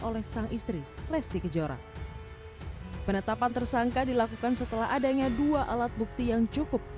oleh sang istri lesti kejora penetapan tersangka dilakukan setelah adanya dua alat bukti yang cukup